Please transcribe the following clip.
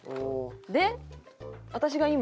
で私が今？